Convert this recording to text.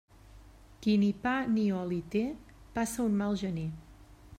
Qui ni pa ni oli té, passa un mal gener.